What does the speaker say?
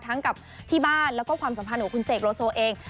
กับที่บ้านแล้วก็ความสัมพันธ์ของคุณเสกโลโซเอง